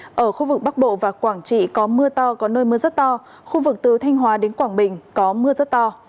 từ ngày một mươi bốn tháng một mươi ở khu vực bắc bộ và quảng trị có mưa to có nơi mưa rất to khu vực từ thanh hóa đến quảng bình có mưa rất to